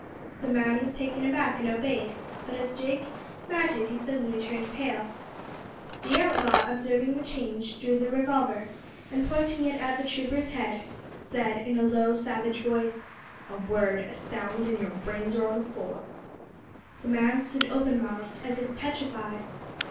The man was taken aback and obeyed; but as Jake mounted he turned suddenly pale. The outlaw, observing the change, drew the revolver, and, pointing it at the trooper's head, said, in a low savage voice, "A word, a sound, and your brains are on the floor!" The man stood open mouthed, as if petrified.